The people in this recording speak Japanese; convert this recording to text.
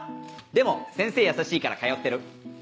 でも先生優しいから通ってる。